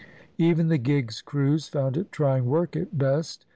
Even the gigs' crews found it trying work at best.